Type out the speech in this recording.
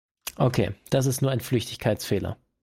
Okay, das ist nur ein Flüchtigkeitsfehler.